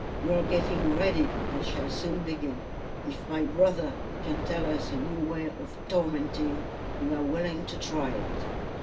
We are getting ready, and shall soon begin. If my brother can tell us a new way of tormenting, we are willing to try it.